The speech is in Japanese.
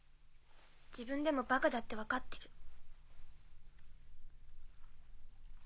自分でもバカだって分かってる。